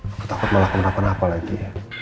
aku takut malah keberadaan apa lagi